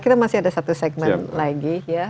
kita masih ada satu segmen lagi ya